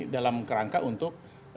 dalam kerangka untuk